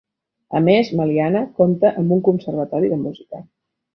A més, Meliana compta amb un conservatori de música.